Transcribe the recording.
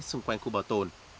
xung quanh khu bảo tồn